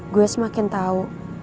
gue semakin tahu